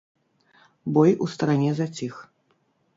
Бой у старане заціх.